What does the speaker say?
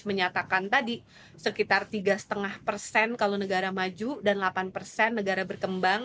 menyatakan tadi sekitar tiga lima persen kalau negara maju dan delapan persen negara berkembang